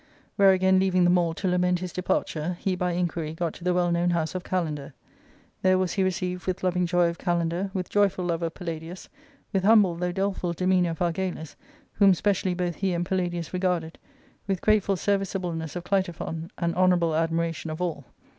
"Where again leaving them all to lament his departure, he by inquiry got to the well known house of Kalander. There ivas he received with loving joy of Kalander, with joyful y love of Palladius, with humble though doleful demeanour of Argalus, whom specially both he and Palladius regarded, with grateful serviceableness of Clitophon, and honourable admiration of all.